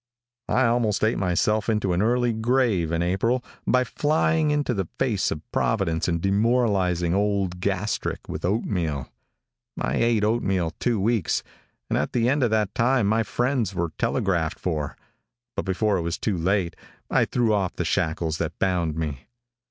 I almost ate myself into an early grave in April by flying into the face of Providence and demoralizing old Gastric with oat meal. I ate oat meal two weeks, and at the end of that time my friends were telegraphed for, but before it was too late, I threw off the shackles that bound me.